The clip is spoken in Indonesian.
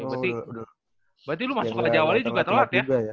berarti lu masuk ke jawa juga telat ya